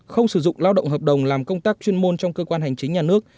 không sử dụng lao động hợp đồng làm công tác chuyên môn trong cơ quan hành chính nhà nước